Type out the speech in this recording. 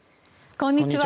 こんにちは。